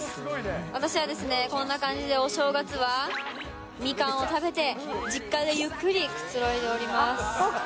私はこんな感じでお正月は、みかんを食べて、実家でゆっくりくつろいでおります。